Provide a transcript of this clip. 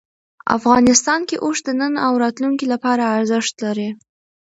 افغانستان کې اوښ د نن او راتلونکي لپاره ارزښت لري.